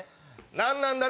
何なんだね？